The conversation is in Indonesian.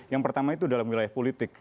yang pertama itu dalam wilayah politik